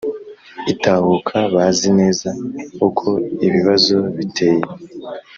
itahuka bazi neza uko ibibazo biteye.